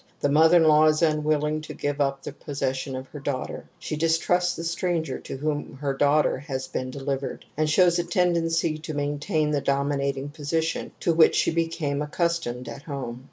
The mother in law is unwilling to give up the ^^ possession of her daughter ; she distrusts the stranger to whom her daughter has been de ^/^ livered, and shows a tendency to maintain the dominating position, to which she became accustomed at home.